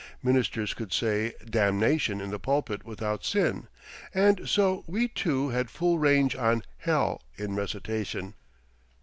Ministers could say "damnation" in the pulpit without sin, and so we, too, had full range on "hell" in recitation.